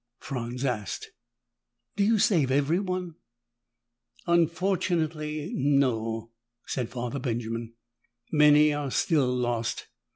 Franz asked, "Do you save everyone?" "Unfortunately, no," said Father Benjamin. "Many are still lost.